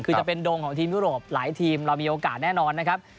คือจะเป็นโดงของทีมยุโรปหลายทีมเรามีโอกาสแน่นอนนะครับ